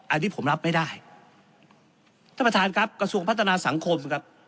อันนี้ผมรับไม่ได้ท่านประธานครับกระทรวงพัฒนาสังคมครับ